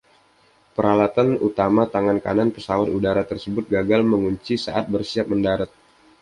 Peralatan utama tangan kanan pesawat udara tersebut gagal mengunci saat bersiap mendarat.